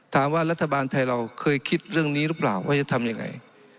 รัฐบาลไทยเราเคยคิดเรื่องนี้หรือเปล่าว่าจะทำยังไง